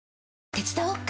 手伝おっか？